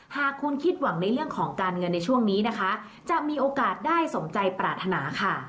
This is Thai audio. หากคุณคิดหวังในเรื่องของการเงินในช่วงนี้นะคะจะมีโอกาสได้สมใจปรารถนาค่ะ